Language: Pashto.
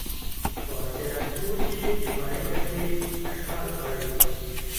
په سراج پور کې دفاعي کرښې اشغال کړئ.